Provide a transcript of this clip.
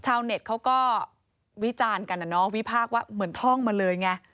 ชาวเน็ตเขาก็วิจารณ์กันนะเนาะวิพากษ์ว่าเหมือนท่องมาเลยไง